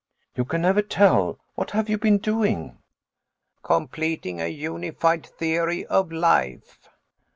"You can never tell. What have you been doing?" "Completing a unified theory of life.